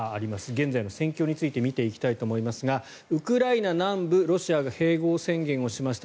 現在の戦況について見ていきたいと思いますがウクライナ南部ロシアが併合宣言をしました